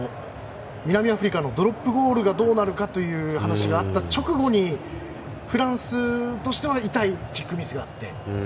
南アフリカのドロップゴールがどうなるかという話があった直後にフランスとしては痛いキックミスがあって。